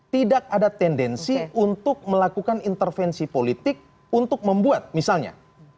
tidak ada tendensi untuk melakukan intervensi politik untuk membuat misalnya